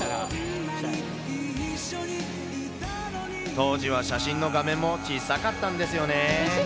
当時は写真の画面もちっさかったんですよね。